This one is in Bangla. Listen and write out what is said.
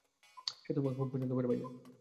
সে তোমাকে খুব পছন্দ করে, ভাইয়া।